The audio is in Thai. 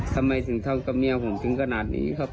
ทำไมถึงทำกับเมียผมถึงขนาดนี้ครับ